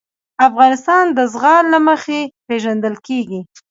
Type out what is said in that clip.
افغانستان د زغال له مخې پېژندل کېږي.